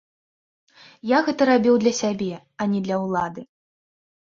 Я гэта рабіў для сябе, а не для ўлады.